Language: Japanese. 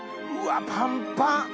うわパンパン！